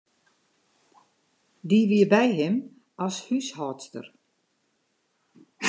Dy wie by him as húshâldster.